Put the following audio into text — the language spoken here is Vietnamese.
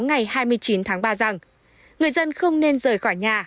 ngày hai mươi chín tháng ba rằng người dân không nên rời khỏi nhà